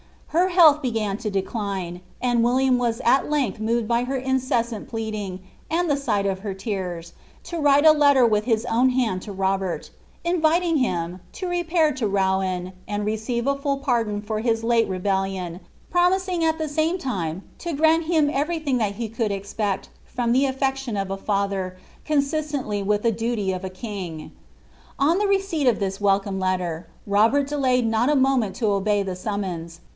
Her health began to decline, and William was at length moved by lur incessant pleading, and the sight of her tears, to write a letter wiQi hit own hand to Robert, inviting him ^ lo repair to Rouen, and receive a full pardon for his Inte rebellion, promising at the same lime to grant hua everything that he could expect from the aileclion of a father, coiuitf ently with the duly of a king." On tlie receipt of this welcome leiia, Robert delayed not a moment to obey the summons.